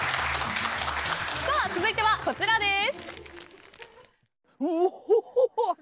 続いてはこちらです。